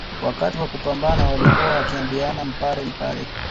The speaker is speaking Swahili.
Wakati wa kupambana walikuwa wakiambiana mpare mpare